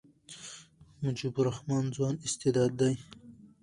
مجيب الرحمن ځوان استعداد دئ.